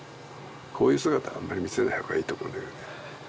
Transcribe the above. こういう姿あんまり見せないほうがいいと思うんだけどね